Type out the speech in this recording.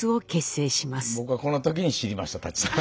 僕はこの時に知りました舘さん。